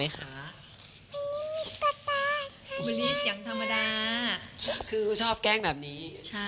คือกูชอบแกล้งแบบนี้